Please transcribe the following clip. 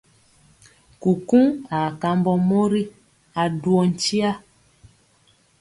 Kukuŋ aa kambɔ mori a duwɔ nkya.